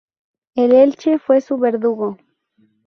El Elche fue su verdugo.